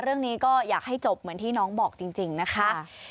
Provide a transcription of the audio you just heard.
เรื่องนี้ก็อยากให้จบเหมือนที่น้องบอกจริงนะคะ